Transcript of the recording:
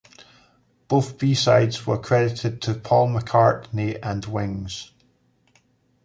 Both B-sides were credited to Paul McCartney and Wings.